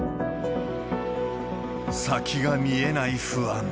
先が見えない不安。